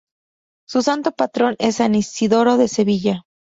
Su santo patrón es San Isidoro de Sevilla.